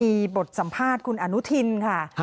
มีบทสัมภาษณ์คุณอนุทินค่ะ